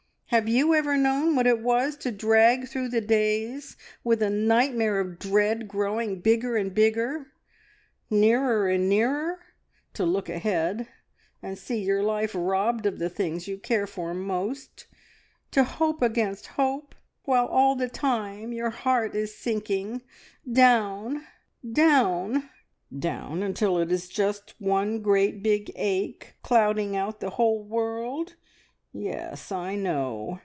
Have you ever known what it was to drag through the days with a nightmare of dread growing bigger and bigger, nearer and nearer, to look ahead and see your life robbed of the things you care for most, to hope against hope, while all the time your heart is sinking down down " "Down until it is just one great big ache clouding out the whole world? Yes, I know!"